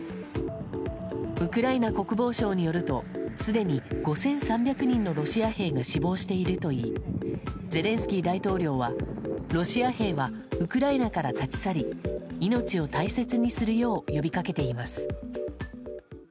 ウクライナ国防省によりますとすでに５３００人のロシア兵が死亡しているといいゼレンスキー大統領はロシア兵はウクライナから立ち去り命を大切にするよう呼びかけています。